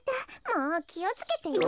もうきをつけてよ。